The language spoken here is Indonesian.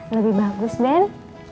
lebih bagus ben